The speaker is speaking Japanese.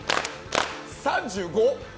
３５！